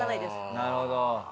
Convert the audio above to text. なるほど。